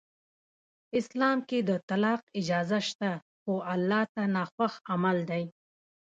اسلام کې د طلاق اجازه شته خو الله ج ته ناخوښ عمل دی.